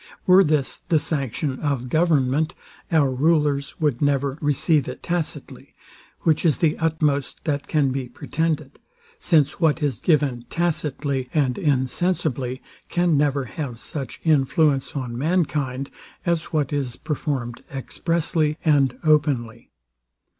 Were this the sanction of government, our rulers would never receive it tacitly, which is the utmost that can be pretended; since what is given tacitly and insensibly can never have such influence on mankind, as what is performed expressly and openly.